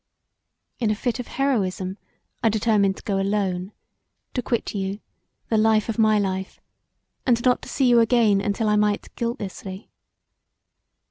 In a fit of heroism I determined to go alone; to quit you, the life of my life, and not to see you again untill I might guiltlessly.